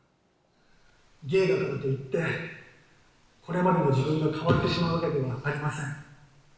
ゲイだからといって、これまでの自分が変わってしまうわけではありません。